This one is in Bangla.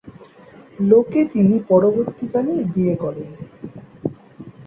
লোকে তিনি পরবর্তীকালে বিয়ে করেন।